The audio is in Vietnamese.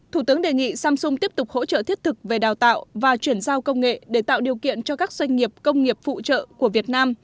thủ tướng đề nghị samsung tiếp tục hỗ trợ thiết thực về đào tạo và chuyển giao công nghệ để tạo điều kiện cho các doanh nghiệp công nghiệp phụ trợ của việt nam